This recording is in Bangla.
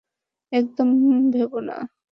একদম ভেবো না!